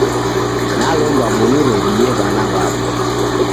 Nalomba muniredie w'ana w'apo.